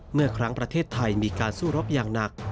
เมื่อครั้งประเทศไทยมีการสู้รบอย่างหนัก